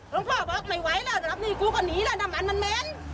ลงพ่อบอกไม่ไหวแล้วเดี๋ยวรับหนี้กูก็หนีแล้วน้ำมันมันเม้น